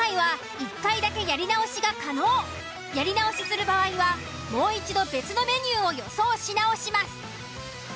今回はやり直しする場合はもう一度別のメニューを予想し直します。